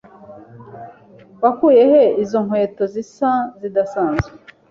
Wakuye he izo nkweto zisa zidasanzwe?